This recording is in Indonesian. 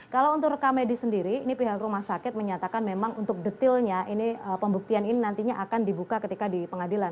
kalau untuk rekamedi sendiri ini pihak rumah sakit menyatakan memang untuk detilnya ini pembuktian ini nantinya akan dibuka ketika di pengadilan